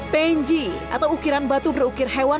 penji atau ukiran batu berukir hewan